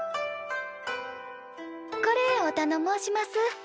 これおたのもうします。